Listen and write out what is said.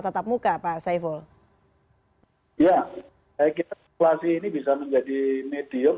simulasi ini bisa menjadi medium